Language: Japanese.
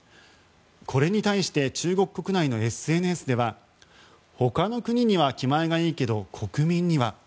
これに対して中国国内のＳＮＳでは他の国には気前がいいけど国民には。